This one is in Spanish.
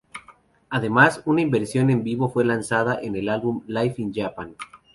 Además, una versión en vivo fue lanzada en el álbum Live in Japan.